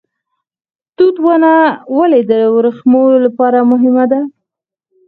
توت ونه ولې د وریښمو لپاره مهمه ده؟